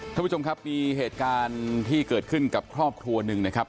ท่านผู้ชมครับมีเหตุการณ์ที่เกิดขึ้นกับครอบครัวหนึ่งนะครับ